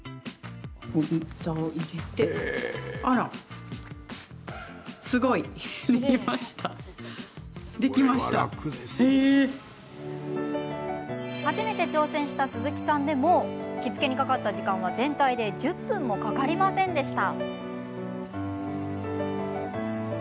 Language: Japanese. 帯板を入れてあら、すごい初めて挑戦した鈴木さんでも着付けにかかった時間は全体で１０分もかかりませんでした。